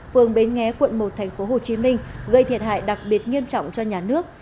phường bến nghé quận một tp hcm gây thiệt hại đặc biệt nghiêm trọng cho nhà nước